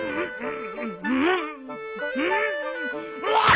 うわっ！